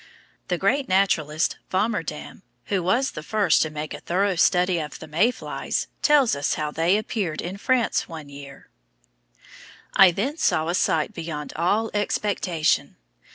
The great naturalist Swammerdam, who was the first to make a thorough study of the May flies, thus tells us how they appeared in France one year: "I then saw a sight beyond all expectation.